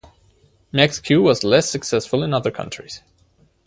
"Max Q" was less successful in other countries.